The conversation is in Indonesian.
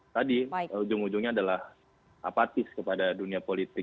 tadi ujung ujungnya adalah apatis kepada dunia politik